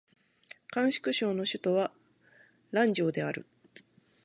甘粛省の省都は蘭州である